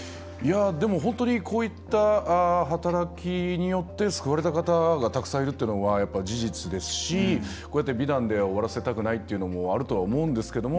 でも本当に、こういった働きによって救われた方がたくさんいるというのは事実ですし、美談で終わらせたくないというのもあるとは思うんですけども。